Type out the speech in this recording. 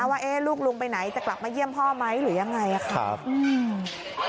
ว่าเอ๊ะลูกลุงไปไหนจะกลับมาเยี่ยมพ่อไหมหรือยังไงค่ะอืม